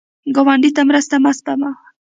ګاونډي ته مرسته مه سپموه